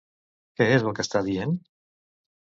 Què és el que estàs dient?